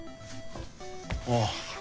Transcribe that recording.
ああ。